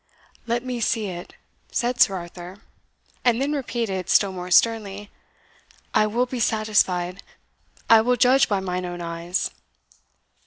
"Let me see it," said Sir Arthur; and then repeated, still more sternly, "I will be satisfied I will judge by mine own eyes."